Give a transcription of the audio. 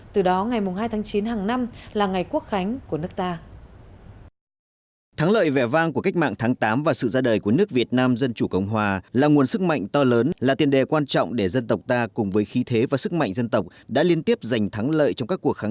từ đó ngày hai tháng chín hàng năm là ngày quốc khánh của nước ta